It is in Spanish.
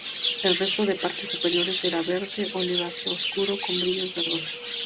El resto de partes superiores era verde oliváceo oscuro con brillos verdosos.